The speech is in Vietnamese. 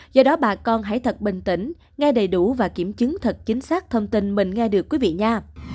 do đó bà con hãy thật bình tĩnh nghe đầy đủ và kiểm chứng thật chính xác thông tin mình nghe được quý vị nha